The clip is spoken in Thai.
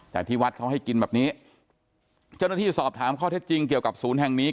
แต่ที่วัดเขาให้กินแบบนี้เจ้าหน้าที่สอบถามข้อเท็จจริงเกี่ยวกับศูนย์แห่งนี้